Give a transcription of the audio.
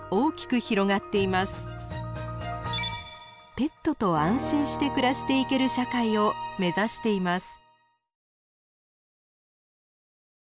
ペットと安心して暮らしていける社会を目指しています。